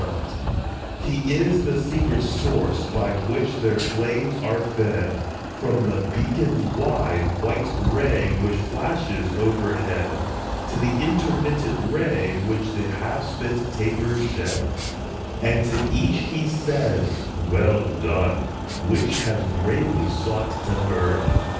LIGHTS Ii; He is the secret source by which their flames are fed, From the beacon's wide, white ray which flashes over head, To the intermittent ray which the half spent tapers shed ; And to each he says, " Well done," which has bravely sought to burn.